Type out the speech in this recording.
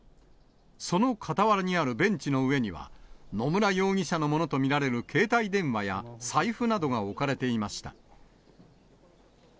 その傍らにあるベンチの上には、野村容疑者のものと見られる携帯電話や財布などが置かれていました。